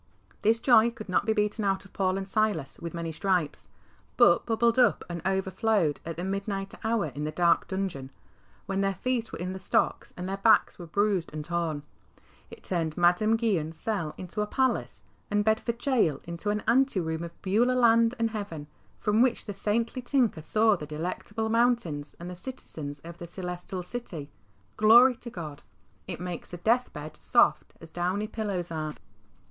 This joy could not be beaten out of Paul and Silas with many stripes, but bubbled up and overflowed at the midnight hour in the dark dungeon, when their feet were in the stocks and their backs were bruised and torn. It turned Madame Guyon's cell into a palace, and Bedford Gaol into an ante room of Beulah Land and Heaven, from which the saintly tinker saw the Delectable Mountains and the citizens of the Celestial City. Glory to God 1 It makes a death bed " soft as downy pillows are."